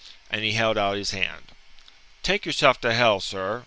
And he held out his hand. "Take yourself to hell, sir!"